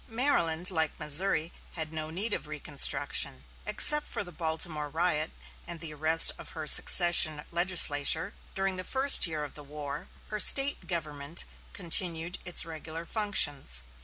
Maryland, like Missouri, had no need of reconstruction. Except for the Baltimore riot and the arrest of her secession legislature during the first year of the war, her State government continued its regular functions.